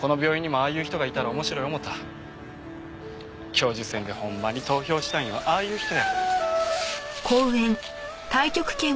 教授選でホンマに投票したいんはああいう人や。